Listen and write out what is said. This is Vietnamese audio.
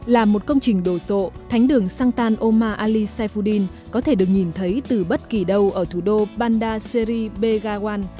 là một công trình đồ sộ thánh đường shantan omar ali saifuddin có thể được nhìn thấy từ bất kỳ đâu ở thủ đô bandar seri begawan